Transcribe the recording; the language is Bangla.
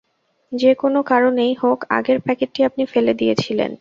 যে কোনো কারণেই হোক আগের প্যাকেটটি আপনি ফেলে দিয়েছিলেন।